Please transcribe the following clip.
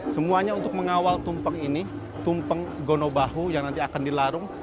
semuanya untuk mengawal tumpeng ini tumpeng gonobahu yang nanti akan dilarung